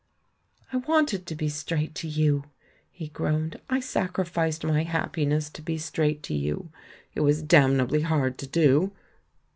"I wanted to be straight to you," he groaned. "I sacrificed my happiness to be straight to you ■— it was damnably hard to do."